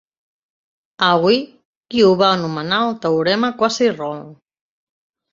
Aull, qui ho va anomenar el teorema Quasi-Rolle.